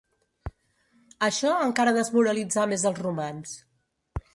Això encara desmoralitzà més els romans.